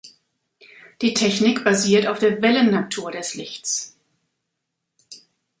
Die Technik basiert auf der Wellennatur des Lichts.